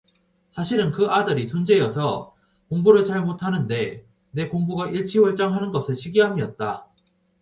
사실은 그 아들이 둔재여서 공부를 잘 못하는데 내 공부가 일취월장하는 것을 시기함이었다